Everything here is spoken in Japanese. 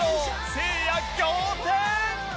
せいや仰天！